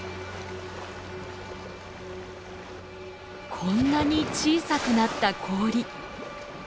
こんなに小さくなった氷。